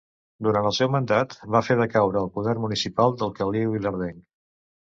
Durant el seu mandat va fer decaure el poder municipal del Caliu Ilerdenc.